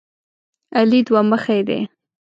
علي دوه مخی دی.